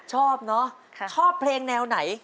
ชอบเนอะชอบเพลงแนวไหน